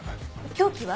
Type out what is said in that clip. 凶器は？